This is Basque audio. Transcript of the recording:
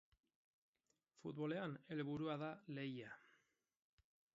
Futbolean, helburua da lehia.